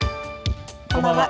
こんばんは。